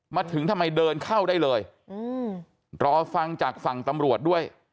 มาถึงทำไมเดินเข้าได้เลยรอฟังจากฝั่งตำรวจด้วย